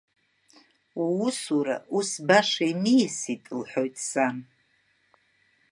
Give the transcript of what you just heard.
Уусура ус баша имиасит лҳәоит сан.